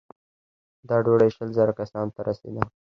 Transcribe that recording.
دا ډوډۍ شل زره کسانو ته رسېده.